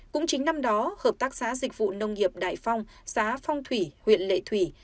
cũng chính năm đó hợp tác xã dịch vụ nông nghiệp đại phong xã phong thủy huyện lệ thủy